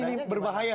nah ini berbahaya